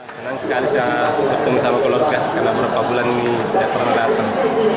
senang sekali saya ketemu sama keluarga karena beberapa bulan ini tidak pernah datang